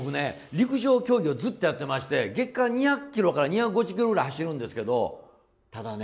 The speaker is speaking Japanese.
陸上競技をずっとやってまして月間２００キロから２５０キロぐらい走るんですけどただね